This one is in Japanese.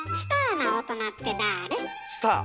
スター？